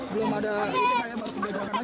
belum belum pernah ada tentu